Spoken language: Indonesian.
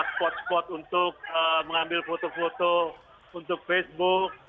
spot spot untuk mengambil foto foto untuk facebook